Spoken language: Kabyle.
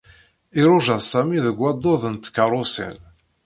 Iṛuja Sami deg waddud n tkeṛṛusin.